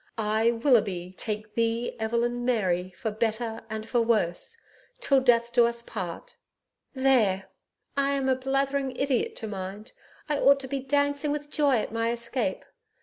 "I WILLOUGHBY TAKE THEE EVELYN MARY... FOR BETTER AND FOR WORSE...TILL DEATH US DO PART "... There! I'm a blathering idiot to mind...I ought to be dancing with joy at my escape.